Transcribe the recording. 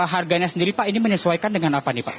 harganya sendiri pak ini menyesuaikan dengan apa nih pak